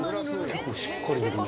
結構しっかり塗るんだ。